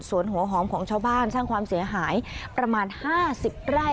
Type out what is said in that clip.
ส่วนหัวหอมของชาวบ้านสร้างความเสียหายประมาณ๕๐ไร่